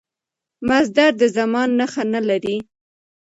مصدر د زمان نخښه نه لري.